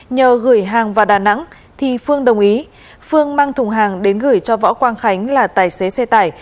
nhờ gửi hàng vào đà nẵng thì phương đồng ý phương mang thùng hàng đến gửi cho võ quang khánh là tài xế xe tải